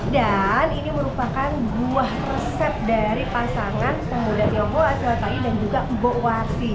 dan ini merupakan buah resep dari pasangan pemuda tiongkok asilatayu dan juga mbok warsi